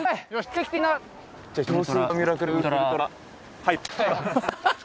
はい。